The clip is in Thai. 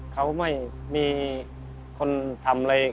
เขาไม่มีคนทำเลย